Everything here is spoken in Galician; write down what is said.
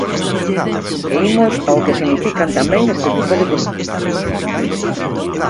E imos ao que significan tamén este tipo de políticas.